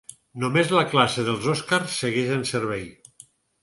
Només la classe dels Oscar segueix en servei.